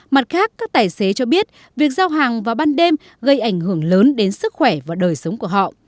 mặt khác các tài xế cho biết việc giao hàng vào ban đêm gây ảnh hưởng lớn đến sức khỏe và đời sống của họ